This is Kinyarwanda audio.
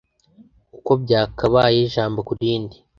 uko bwakabaye ijambo ku rindi